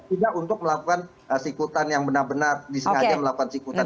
tidak untuk melakukan sikutan yang benar benar disengaja melakukan sikutan